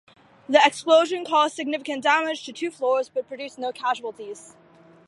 The explosion caused significant damage to two floors but produced no casualties.